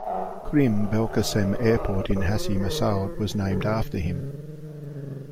Krim Belkacem Airport in Hassi Messaoud was named after him.